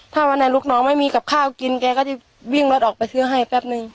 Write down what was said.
ถ้าวันไหนลูกน้องไม่มีกับข้าวกินแกก็จะวิ่งรถออกไปซื้อให้แป๊บนึง